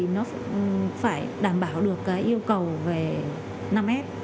nó phải đảm bảo được cái yêu cầu về năm s